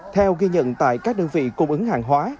theo ghi nhận tại các đơn vị cung ứng hàng hóa